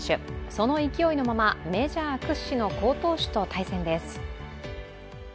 その勢いのまま、メジャー屈指の好投手と対戦です。